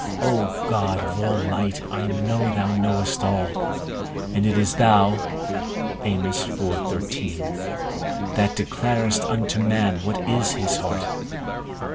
O God of all light, I know thou knowest all, and it is thou that declarest unto man what is his heart.